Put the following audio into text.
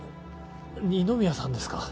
二宮さんですか？